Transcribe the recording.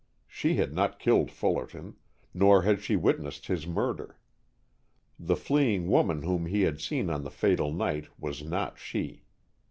She had not killed Fullerton, nor had she witnessed his murder. The fleeing woman whom he had seen on the fatal night was not she.